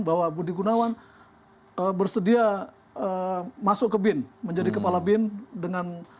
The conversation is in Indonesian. bahwa budi gunawan bersedia masuk ke bin menjadi kepala bin dengan